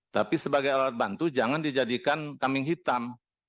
tapi sebagai alat bantu jangan dijadikan kambing hitam